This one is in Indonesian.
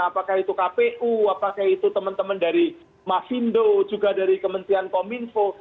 apakah itu kpu apakah itu teman teman dari mafindo juga dari kementerian kominfo